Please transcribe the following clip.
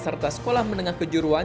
serta sekolah menengah kejuruteraan